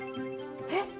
えっ？